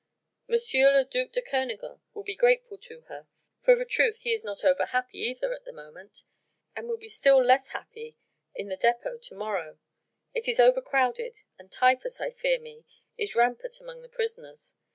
M. le duc de Kernogan will be grateful to her, for of a truth he is not over happy either at the moment ... and will be still less happy in the dépôt to morrow: it is over crowded, and typhus, I fear me, is rampant among the prisoners.